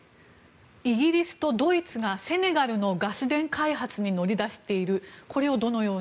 イギリスとドイツがセネガルのガス田開発に乗り出している。